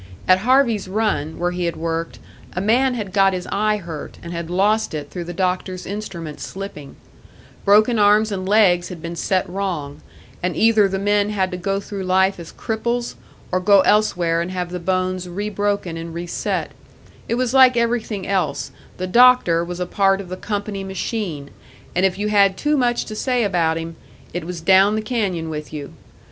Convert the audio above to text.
At Harvey's Run, where he had worked, a man had got his eye hurt, and had lost it through the doctor's instrument slipping; broken arms and legs had been set wrong, and either the men had to go through life as cripples, or go elsewhere and have the bones re broken and reset, It was like everything else the doctor was a part of the company machine, and if you had too much to say about him, it was down the canyon with you.